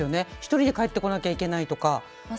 １人で帰ってこなきゃいけないとか。